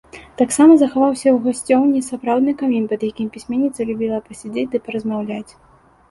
Таксама захаваўся ў гасцёўні сапраўдны камін, пад якім пісьменніца любіла пасядзець ды паразмаўляць.